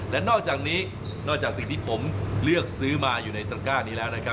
และนอกจากนี้นอกจากสิ่งที่ผมเลือกซื้อมาอยู่ในตระก้านี้แล้วนะครับ